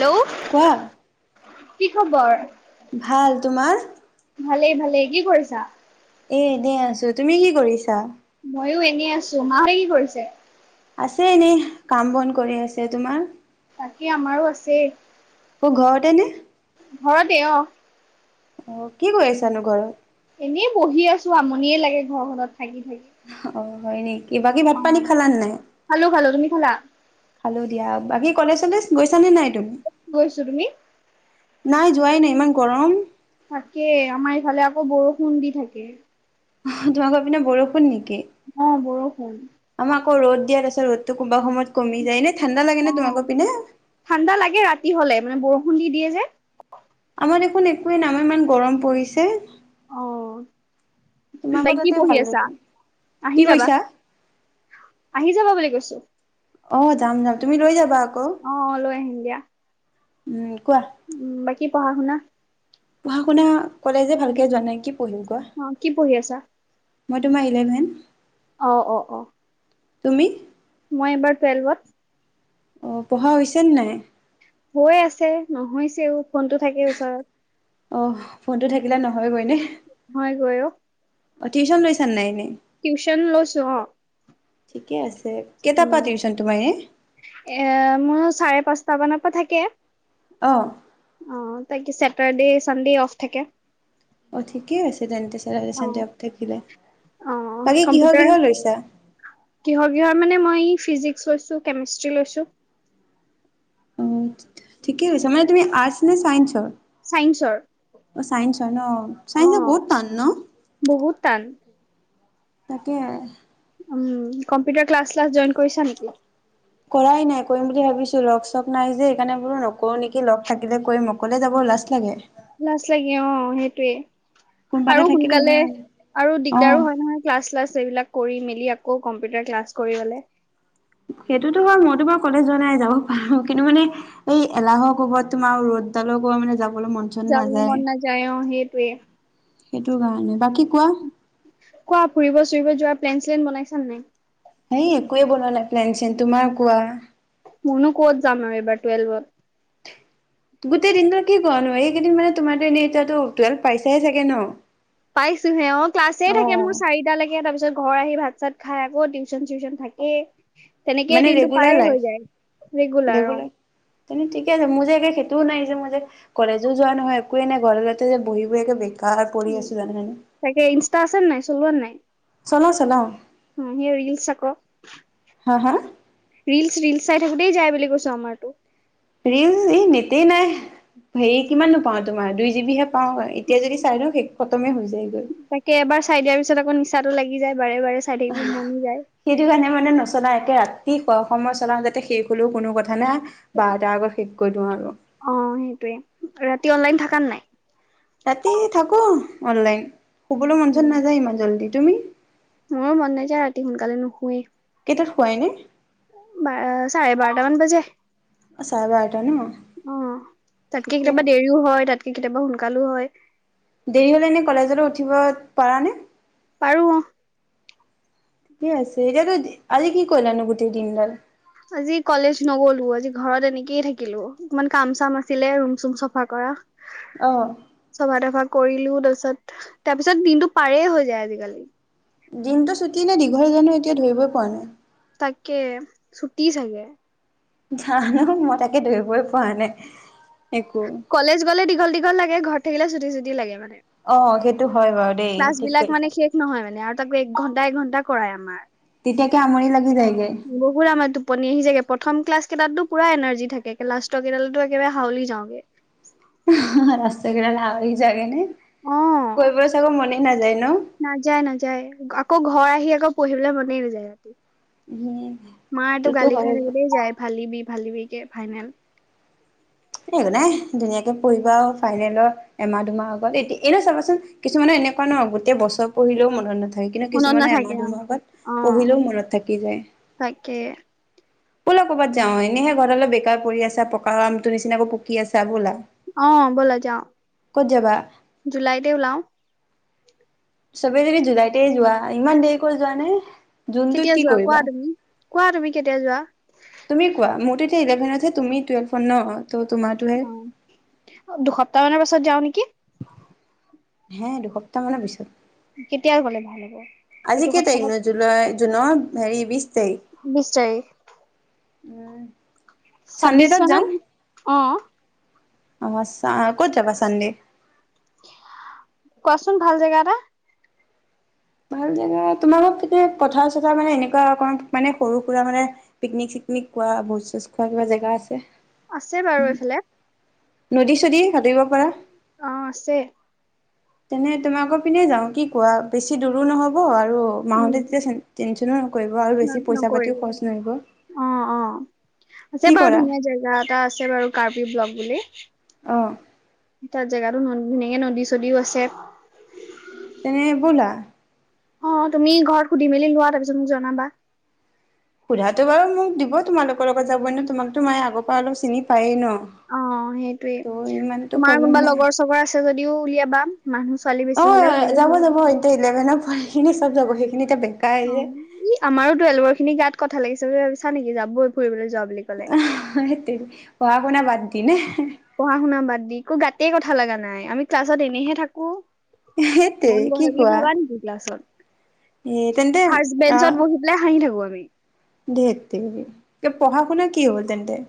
Hello কোৱা? কি খবৰ? ভাল তোমাৰ? ভালেই-ভালেই কি কৰিছা? এ দে আছো তুমি কি কৰিছা? ময়ো এনেই আছো মাহতে কি কৰিছে? আছে এনেই কাম বন কৰি আছে। তোমাৰ? তাকে আমাৰো আছে। তেনে? ঘৰতে অ। অ, কি কৰি আছানো ঘৰত? এনেই বহি আছো আমনিয়ে লাগে ঘৰখনত। [inaudible] অঁ, হয়। নেকি? কিবা কি ভাত অ পানী খালানে নাই? খালো খালো তুমি খালা? খালো দিয়া বাকী কলেজ চলেজ গৈছা নে নাই। তুমি কৈছো তুমি। নাই যোৱাই নাই ইমান গৰম। তাকে আমাৰ ইফালে আকৌ বৰষুণ দি থাকে। তোমাকৰ পিনে বৰষুণ নেকি? অ' বৰষুণ। আমাৰ আকৌ ৰ'দ দিয়ে তাৰপিছত ৰ'দতো কোনোবা সময়ত কমি যায় ন ঠাণ্ডা লাগে অ ন তোমাকৰ পিনে? খুন্দি দিয়ে যে। আমাৰ দেখুন একোৱেই আমাৰ ইমান গৰম পৰিছে। অ' তাই তোমালোকৰ কি তাতে পঢ়ি ভাল আছা? দেখোন আহি কি যাবা, কৈছা আহি যাবা বুলি কৈছোঁ। [inaudible] অ' যাম-যাম তুমি লৈ যাবা আকৌ অহ লৈ আহিম দিয়া। উম, কোৱা উম বা কি পঢ়া শুনা পঢ়া শুনা কলেজে ভালকে জোৱা নাই। পঢ়িম কোৱা অ' কি পঢ়ি আছা? মই তোমাৰ ইলেভেন অ-অ-অ, তুমি? মই এবাৰ টুৱেলভত। অহ, পঢ়া হৈছে নে নাই? হৈ আছে নহৈছেও। ফোনটো থাকে ওচৰত। অহ, ফোনটো থাকিলে ন, হয় গৈ অ', অ, টিউশন লৈছা নে নাই এনে? লৈছো অ ঠিকে আছে। কেইটাৰ পৰা উম, টিউচন তোমাৰ এনে এ, মোৰ চাৰে- পাঁচ পাঁচটা মানৰ পা থাকে। অ, অ, তাকে ছেটাৰডে, চানডে অফ থাকে। অ, ঠিকেই আছে। তেন্তে ছেটাৰডে, অ চানদে অফ থাকিলে, অ বাকী কিহৰ- কম্পিউটাৰ কিহৰ লৈছা? কিহৰ কিহৰ মানে মই ফিজিক্স লৈছো, কেমেষ্ট্ৰি লৈছো। উম, ঠিকে কৈছে মানে তুমি আৰ্টছ নে চাইন্সৰ? চাইন্সৰ অ, চাইন্স হয় ন', অ চাইন্স বহুত টান ন? বহুত টান তাকে, উম, কম্পিউটাৰ ক্লাছ- শ্লাছ জইন কৰিছা নেকি? কৰাই নাই কৰিম বুলি ভাবিছো। লগ চগ নাই যে এইকাৰণে বোলো নকৰো নেকি লগ থাকিলে কৰিম অকলে যাবও লাজ লাগে। লাজ লাগে অ, সেইটোৱে। কোনোবা এটা আৰু থাকিলে সোনকালে ভাল আৰু অ দিগদাৰো হয়- নহয় ক্লাছ- শ্লাচ এইবিলাক কৰি মেলি, এই আকৌ কম্পিউটাৰ ক্লাছ কৰিবলে, সেইটোতো হয় মই তোমাৰ কলেজ যোৱা নাই যাব পাৰো কিন্তু মানে এই এলাহৰ কোবত তোমাৰ ৰ'দডালৰ কব মানে যাব, যাবলৈ মন নাযায় অ, সেই, তে, সেইটো কাৰণে বাকী কোৱা? কোৱা ফুৰিব- চুৰিব যোৱাৰ প্লেন- শ্লেন বনাইছা নে নাই? সেই একোৱে বনোৱা নাই প্লেন- শ্লেণ, তোমাৰ কোৱা? মইনো ক'ত যাম আৰু এইবাৰ টুৱেলভত। গোটেই দিনটোত কি কৰানো সেইকেইদিন মানে তোমাৰতো এনে এতিয়াতো তুৱেলভ পাইছাই চাগে ন',? পাইছোহে অ', ক্লাছে থাকে মোৰ চাৰিটালৈকে তাৰপিছত তাৰ পিছত ঘৰ আহি ভাত- চাত খাই আকৌ টিউচন- চিউচন থাকে। মানে ৰেগুলাৰ লাইফ, ৰেগুলাৰ। তেনে ঠিকে আছে মোৰ যে, খে টো নাই যে মই যে কলেজো যোৱা নহয় একোৱে নাই গৰালতে যে বহি বহি একে, বেকাৰ পৰি উম, আছো জানানে তাকে ইনষ্টা আছে নে নাই চলোৱা নে নাই? চলাও চলাও উম, হিও ৰিলছ আকৌ। হা -হা ৰিলচ -ৰিলচ চাই থাকোতেই যায় বুলি কৈছো আমাৰতো। ৰিল এই নেটই নাই হেৰি কিমাননো পাওঁ তোমাৰ দুই জিবিহে পাও এতিয়া যদি চাই লওঁ সেই খতমে হৈ যায়। তাকে এবাৰ চাই দিয়াৰ পিছত আকৌ নিচি নিচাটো লাগি যায় বাৰে বাৰে চাই থাকিব মন যায় চলাও একে ৰাতি শোৱাৰ সময় চলাওঁ যাতে শেষ হলেও কোনো কথা নাই বাৰটাৰ আগত শেষ কৰি দিওঁ আৰু অঁ সেইটোৱে ৰাতি অনলাইন থাকানাই ৰাতি থাকো অননলাইন শুবলৈ মন উম চন নাযায় ইমান জল্দি তুমি মোৰো মন নাযায় ৰাতি সোনকালে নুশোৱেই কেইটাত শুৱা এনে বাৰ চাৰে বাৰটাামান বাজে অঁ চাৰে বাৰটা ন অঁ তাতকে ঠিকে কেতিয়াবা আছে দেৰিও হয় তাতকে কেতিয়াবা শন সোনকালো হয় দেৰি হলে এনে কলেজলৈ উঠিব পাৰানে পাৰো ঠিকেই আছে এতিয়াতো আজি কি কৰিলানো গোটেই দিনদাল আজি কলেজ নগলো আজি ঘৰত এনেকয়ে থাকিলো অকমান কাম চাম আছিলে ৰুম চোম চাফা কৰা অ', [unintelligible] কৰিলো তাৰপিছত তাৰ পিছত দিনটো পাৰে হৈ যায় আজিকালি দিনটো ছুটি নে দীঘল জানো এতিয়া ধৰিবই পৰা নাই তাকে চুটি চাগে জানো মই তাকে ধৰিবই পৰা নাই একো কলেজ গলে দীঘল দীঘল লাগে ঘৰত থাকিল চুটি চুটি লাগে মানে অঁ সেইটো হয় বাৰু দেই ক্লাছ ঠিক বিলাক কৰিছা। মানে শেষ নহয় মানে আৰু তাকো একঘণ্টা এঘণ্টা কৰাই আমাৰ তেতিয়া আমনি লাগে বহুত আমাৰ টোপনি আহি যাগে প প্ৰথম ক্লাছ কেইাতো পুৰা এনাৰ্জি থাকে লাষ্টৰ কেইটালো একেবাৰে হাওলি যাওঁগে লাষ্টৰ কেইটাত হাওলি যোৱাগেনে অ কৰিবলৈ চাগৈ মনে নাযায় ন। নাযায় নাযায় আকৌ ঘৰ আহি আকৌ পঢ়িবলৈ মনেই নাযায় ৰাতি। উম, মাৰটো সেইটোতো গালি হয় খাই বাৰু। থাকোতে যায় ভালিবি ভালিবি কে। ফাইনেল। স এক নাই ধুনাকে পঢ়িবা আৰু ফাইনেলৰ এমাহ দুমাহ আগত এয়া এ ন চাবাচোন কিছুমানে এনেকুৱা ন গোটেই বছৰ পঢ়িলেও মনত নথাকে। থাকে কিন্তু মনত কিছুমানে এমাহ নাথাকে অ দুমাহ অ পঢ়িলেও মনত থাকি যায়। তাকে অোলে ক'ৰবাত যাওঁ এনেহে ঘৰত অল বেকাৰ পৰি আছা পকা। ত নিচিাক পকি আছা বলা। অ ব'ল যা ক'ত যাবা জুুলাইতউলা। চবেই যদি জলাইতে যোৱা ইমান দেৰি কৰি যোৱা নে। জুনটোত কেতিয়া কি যোৱা কৰিবা? কোৱা তুমি কোৱা তুমি কেতিয়া যোৱা। তুমি কোৱা মোৰতো এতি ইলেভনহে তুমি টুৱেলভখন ন। ত' তোমাৰটোহে অ দুসপ্তাহ মানৰ পাছত যাওঁ নেকি। হে দুসপ্তাহ মানৰ পিছত। কেতিয়া গ'লে ভাল হ'ব। আজি এইটো কেই তাৰিখ নো জুলাই। জোনৰ হেৰি বিশ। তাৰিখ। নিশ্চয়। উম। চানডে ছাব্বিশ এটাত যাম জনৰ অ। অ ক'ত যাবা চানডেষ! কোৱাচোন ভাল জেগাটা। ভাল জেগা তোমাৰ পথাৰ চথাৰ মানে এনেকুৱা অক মানে সৰু সুৰা মানে পিকনিক চিকনিক কোৱা ভোজ চোজ খোৱা কিবা জেগা আছে। আছে বাৰু এইফালে নদী চদী সতৰিব। অ আছে। তেনে তুমি আকৌ পিনে যাও কি কোৱা বেছি দূৰো নহব আৰু। অ‌ উম মাহতে যেতিয়াচুন। টেনচন। নকৰিব অ অ কি আছে বাৰু কৰা ধুনীয়া জেগা এটা আছে বাৰু কাৰ্বি ব্লক। বোলে। অঁহ। তাত জেগাতো ন ধুনেকে নদী চদীও আছে। তেনে বোলা। অ তুমি ঘৰত সুধি মেলি লোৱা তাৰপিছত মোক জনাবা। সোধাটো বাৰু মোক দিব তোমালোকৰ লগত যাবই নো তোমাকতো মায় আগৰ পৰা অলপ চিনি পায়েই ন। অ সেইটোৱে ত' ইমানতো তোমাৰ প্ৰব্লেম কোনোবা নাই লগৰ চগৰ আছে যদিও উলিয়াবা। মানুহ ছোৱালী অ বেছি হলে ভালেই যাব হয়। যাব এতিয়া ইলেভেনত। সেইখিনি চব যাব সেই অঁ আমাৰোতো এলবৰ খিনি গাত কথা লাগিছোব চা নেকি যাবই ফুৰিবলৈ যোৱা বুলি ক'লে সেই তেৰি পঢ়া শুনা বাদ দি নে পঢ়া শুনা বাদ দি একো গাত তই কথা লগা নাই আমি ক্লাছত এনেহে থাকো সেই মন তেৰি কি বহে বুলি কোৱা ভাবা নেকি ক্লাছত। এ তেন্তে ফাৰ্ষ্ট বেঞ্চত বহি পেলাই হাঁহি থাকো। [inaudible] ধেৰ তে পঢ়া শুনা কি হব তেন্তে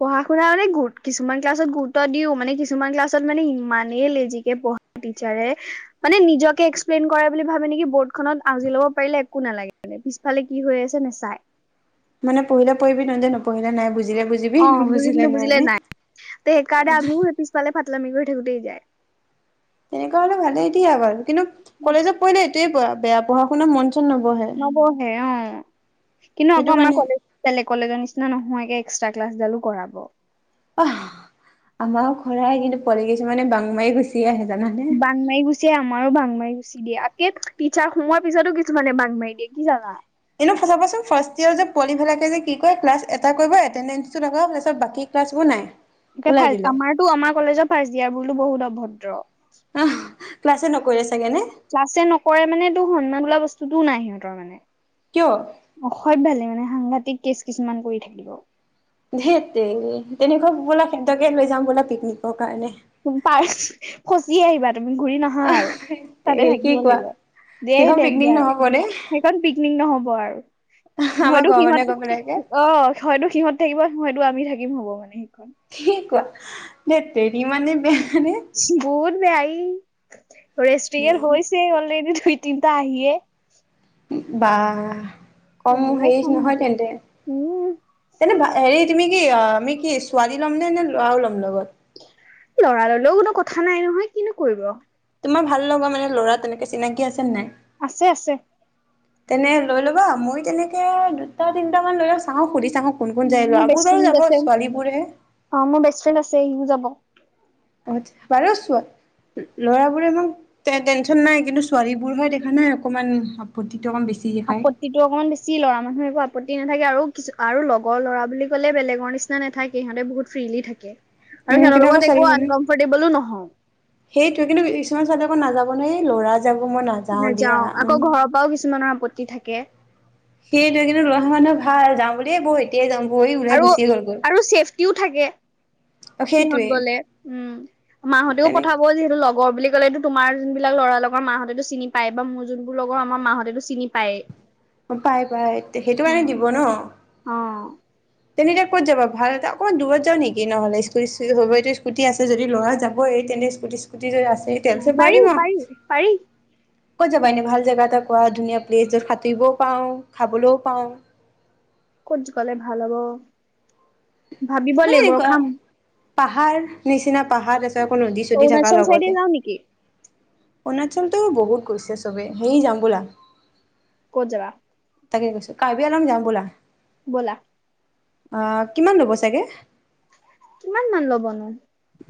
পঢ়া শুনা মানে কিছুমান ক্লাছত গুৰুত্ব দিওঁ মানে কিছুমান ক্লাছত মানে ইমানেই লেজিকে পঢ়া টিচাৰে মানে নিজকে এক্সপ্লেইন কৰে বুলি ভাবে নেকি বৰ্ডখনত আজৰি লব পাৰিলে একো নালাগে মানে পিছফালে কি হৈ আছে নেচাই মানে পহিলে পঢ়িবি নয় জানো নপঢ়িলে নাই বুজিছো অঁ বুজিম নো বুজিলে নাই ত সেইকাৰণে আমিও সেই পিছফালে ফাতলামি গৈ থ যায় তেনেকুৱা হলে ভালেই দিয়া বাৰু। কিন্তু কলেজত পৰিলে এইটোৱে প বেয়া পঢ়া শুনা মন চন নবহে নবহে অঁ। কিন্তু সেইটো আকৌ আমাৰ কাৰণে কলেজ বেলেগ কলেজৰ নিচিনা নহয় একে এক্সট্ৰাক ক্লাছডালো কৰাব অঁ আমাৰ খৰাই কিন্তু পোৱালি কিছুমানে বাং মাৰি গুচি আহে জানানে বাংমাৰি গুচিয়ে আমাৰো বাংমাৰ গুচি দিয়ে আগে টিচাৰ সোমোৱাৰ পিছতো কিছুমানে বান্ধ মাৰি দিয়ে কি জানা বচোন ফাৰ্ষ্ট ইয়েৰৰ যে পোৱালি বিলাকে যে কি কৰে ক্লাছ এটা কৰিব এটেন্ডেঞ্চতাৰপিছত পিছত বাকী ক্লাছবোৰ নাই ত ওলাই ফ দিলে আমাৰতো আমাৰ কলেজ ফাৰ্ষ্ ইয়াৰুললো বহুত হ'ব ভদ্ৰ অঁ ক্লাছে নকৰিছে ক্লাছে নকৰে মানে টো সন্মান ওল বস্তুটোও নাই সিহতৰ মানে কিয় অসভ্যালি ভালেই মানে সাংঘাতিক কেছ কিছুমান কৰি থাকিব ধেত তেনেকুৱা বোলা সিহতকে লৈ যাম বোলা পিকনিকৰ কাৰণে পাৰ ফচি আহিবা তুমি ঘূৰি নাহাই আৰু তাতে এ কি থাকিব কোৱা লাগিব ধেই সেইখন পিকনিক দেঞ্জাৰ নহ'ব দেই সেইখন পিকনিক নহব আমাৰ খোৱাৰ হয়টো ঘৰৰ মানুহে গৈ পেলাই কে সিহঁত অ হইটো সিহঁত থাকিব হয়ইতো আমি থাকিম হ'ব মানে সেইখন। কি কোৱা। ধেৎ তেৰি নি মনে বেয়া নে সহুৰ বেয়া ই ৰেষ্টিয়েল হৈছে অলৰেডি দুই তিনিটা আহিয়ে বাঁহ। কম বেলেগ হেৰি নহয় সাংঘাতিক তেন্তে। উম। তেন্ত হেৰি তুমি কি আমি কি ছোৱালী ল'ম নে নে লৰাও ল'ম লগত? লৰা ললেও কোনো কথা নাই নহয় কিনো কৰিব? তোমাৰ ভ লগা মানে'ৰা তেনেকে চিনাকি আছে? নাই? আছে আছে। তেনে লৈ ল'বা মই তেনেকে দুটা তিনটা মান লৈ লওক চাওঁ [unintelligible] সুধিছো। অ' মোৰ বেষ্টফ্ৰেড আছে সি যাব বাৰু চোৱা লৰাবোৰৰ ইমান টে-টেনশচন নাই কিন্তু ছোৱালীবোৰ হে দেখা নাই অকমান আপত্তি। আপত্তিটো অকণমান বেছি লৰা মানুহ একো আপত্তি নাই। থাকে আৰু কি আৰু লগৰ ল'ৰা বুলি কলে বেলেগৰ নিচিনা নাথাকে সিহঁতে বহুত ফ্ৰলি থাকে। আৰু উম সিহঁতৰ কিন্তু আকৌ লগত ছোৱালী একো মানুহ আনকমফৰ্টেবলো নহয়। সেইটোৱে কিন্তু কিছুমান ছোৱালী নাযাব ন এই ল'ৰা যাব মই দিয়া নাযাও আকৌ উম ঘৰৰ পৰাও কিছুমানৰ আপত্তি থাকে। সেইটোৱে কিন্তু ল'ৰা মানুহ ভাল যাওঁ বুলিয়ে বৌ এতিয়াই যাম। আৰু আৰু চছেফটিও থাকে অ সেইটোৱে সিহঁত গ'লে উম মাহঁতেও তেনেকে পঠাব যিহেতু লগ লগৰ বুলি ক'লে তোমাৰ যোনবিলাক লৰা লগৰ মাহঁতেতো চিনি পায় বা মোৰ যোনবোৰ লগৰ আমাৰ মাহঁতেতো চিনি পায়েই। অ' পাই পাই সেইটো কাৰণে দিব ন। অ অ তেনেতে এতিয়া ক'ত যাব ভাল এটা অকণমন দূৰত যাওঁ নেকি নহলে। স্কুটি হভৈ স্কুটি আছে যদি'লৰা যাবই তেনে স্কুটি স্কুটি আছেই তেল চেল ভৰাই পাৰি দিম আৰু পাৰি পাৰি কত যাবা এনে ভাল জাগা এটা কোৱা ধুনীয়া প্লেছ যত সাঁতুৰিবও পাওঁ, খাবলৈও পাওঁ। কত গলে ভাল হ'ব। ভাবিব মানে লাগিব, ৰ এনেকুৱা খাম। পাহাৰ নিচিনা পাহাৰ আছে অৰুণাচল চাইডে যাওঁ নেকি? অৰুণাচলটো বহুত গৈছে চবেই হেয় যাম বলা কত যাবা তাকে কৈছো কাৰ্বি আংলং যাম বলা। ব'লা অ কিমান ল'ব চাগে। [unintelligible] কিমান মান লবনো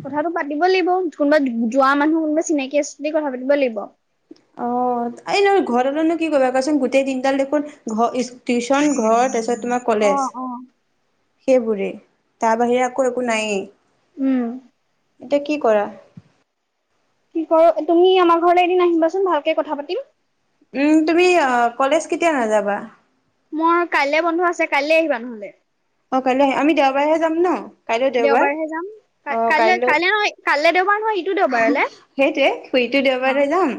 কথাাতটো পাতিব লাগিব কোনোবা যোৱা মানুহৰ কোনোবা চিনাকি আছে কথা পাতিব লাগিব। অ এই ন ঘৰলৈনো কি কৰিবা কচোন গোটেই তিনিটাল দেখোন ঘৰ টিউশচন, ঘৰ তাৰপিছত তোমাৰ কলেজ অ', অ'। সেইবোৰে তাৰ বাহিৰে আকৌ একো নায়েই। উম এতিয়া কি কৰা কি কৰা তুমি আমাৰ ঘৰলৈ এদিন আহিবাচোন ভালকে কথা পাতিম। উম তুমি কলেজ কেতিয়া নাযাবা। মোৰ কাইলৈ বন্ধ আছে কাইলৈ আহিবা নহলে। অ কাইলৈ আহে আমি দেওবাৰেহে যাম ন। কাইলৈ দেওবাৰ দেওবাৰহে যাম ক কাইলৈ কাইলৈ নহয় কাইলৈ দেওবাৰ নহয় ইটো দেওবাৰলে। সেইটয়ে ফুুৰীতো অ', দেওবাৰেলৈ যাম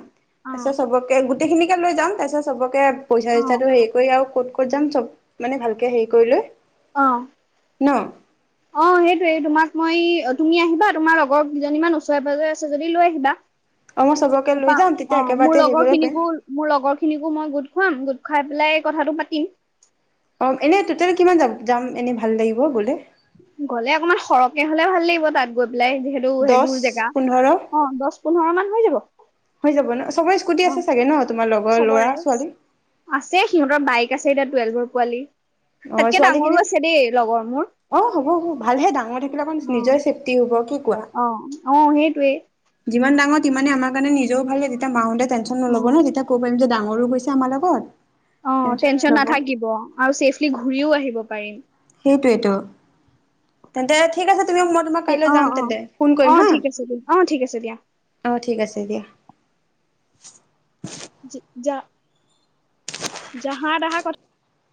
অ', তাৰপিছত চবকে সেইখিনিকে লৈ যাম তাৰপিছত চবকে পইচা চইচাটো হেৰি কৰি আৰু ক'ত ক'ত যাম চব মানে ভালকৈ হেৰি কৰি লৈ অ ন অ সেইটোৱে তোমাক মই অ তুমি আহিবা তোমাৰ লগৰ কিজনীমান ওচৰে পাঁজৰে আছে যদি লৈ আহিবা। অ', মই চবকে তাৰ লৈ পা যাম তেতিয়া অ মোৰ একেবাৰতে হেৰি লগৰ কৰিব পাৰিম খিনিকো মোৰ লগৰ খিনিকো মই গোট খুৱাম গোট খাই পেলাই কথাটো পাতিম। অ এনে টোটেল কিমান যাম যাম এনে ভাল লাগিব গ'লে গ'লে অকনমান সৰকে হ'লে ভাল লাগিব তাত গৈ পেলাই যিহেতু দহ সেইবোৰ জেগা পোন্ধৰ অ দশ পোন্ধৰ মান হৈ যাব। হৈ যাব ন চবৰে স্কুটি অ আছে চাগে ন তোমা লগ চবৰে আছে সিহঁতৰ বাইক তাইক আছে এতিয়া টুৱেল্ভৰ পোৱালি। অ তাতকে ডাঙৰো ছোৱালীখিনি আছে দেই লগৰ মোৰ অ হ'ব হ'ব ভালহে ডাঙৰ থাকিলে অকণ নিজৰ ছেইফটি হ'ব কি কোৱা অ অ সেইটোৱে যিমান ডাঙৰ তিমান আমাৰ কাৰণে নিজও ভাল তেতিয়া মা হতে টেনচন অ নলব ন তেতিয়া কৈ পাম ডাঙৰ- সৰু গৈছে আমাৰ লগত অ টেনচন নাথাকিব আৰু চছেফলি ঘূৰিও আহিব পাৰে সেইটোৱেটো তেন্তে ঠিক আছে তেনে মই তোমাক কাইলৈ অ যাম অ তেন্তে ফোন কৰিম অ হা ঠিক আছে দিয়া অ ঠিক আছে দিয়া অ ঠিক আছে দিয়া [unintelligible] যা য়া যাহা টহাৰ কথা